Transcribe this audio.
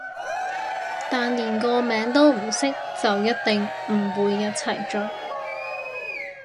但連個名都唔識就一定唔會一齊追